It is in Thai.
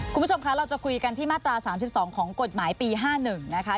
คุณผู้ชมคะเราจะคุยกันที่มาตรา๓๒ของกฎหมายปี๕๑นะคะ